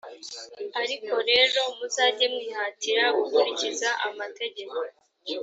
ariko rero muzajye mwihatira gukurikiza amategeko